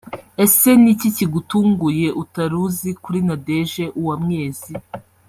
Ese ni iki kigutunguye utari uzi kuri Nadege Uwamwezi